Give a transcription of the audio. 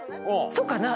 そうかな？